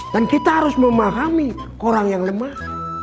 dan kita harus memahami orang yang lemah